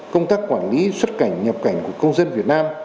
công tác quản lý xuất cảnh nhập cảnh của công dân việt nam